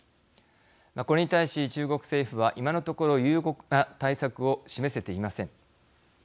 これに対し中国政府は今のところ有効な対策を示せていません。